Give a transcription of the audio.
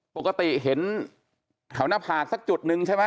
ปกติเห็นแถวหน้าผากสักจุดนึงใช่ไหม